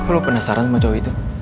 kok lo penasaran sama cowok itu